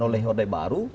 oleh hode baru